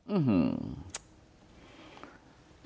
อื้อหือ